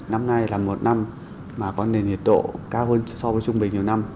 năm nay là một năm mà có nền nhiệt độ cao hơn so với trung bình nhiều năm